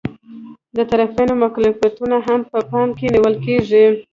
د طرفینو مکلفیتونه هم په پام کې نیول کیږي.